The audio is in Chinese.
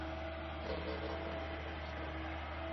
今天它供维尔纽斯的波兰人使用。